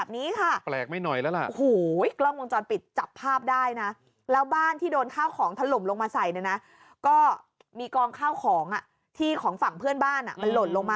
นี่ค่ะค่าของต่างนี่เห็นไหม